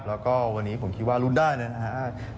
แล้วก็วันนี้ผมคิดว่ารุ้นได้เลยนะครับ